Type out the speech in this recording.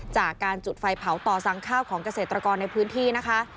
จากการจุดไฟเผาต่อสั่งข้าวของเกษตรกรในพื้นที่นะคะ